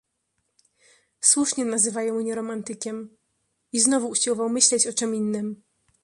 "Słusznie nazywają mnie romantykiem... I znowu usiłował myśleć o czem innem."